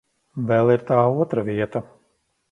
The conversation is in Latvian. Vēl ir tā otra vieta.